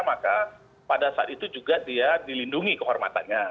maka pada saat itu juga dia dilindungi kehormatannya